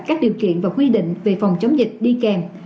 các điều kiện và quy định về phòng chống dịch đi kèm